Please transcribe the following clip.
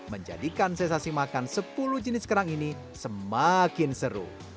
menjadikan sensasi makan sepuluh jenis kerang ini semakin seru